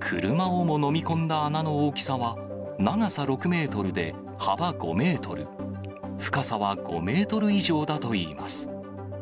車をも飲み込んだ穴の大きさは、長さ６メートルで、幅５メートル、深さは５メートル以上だといいます。